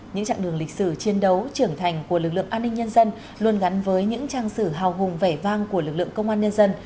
những trạng đường lịch sử chiến đấu trưởng thành của lực lượng an ninh nhân dân luôn gắn với những trang sử hào hùng vẻ vang của lực lượng công an nhân dân